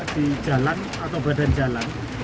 di jalan atau badan jalan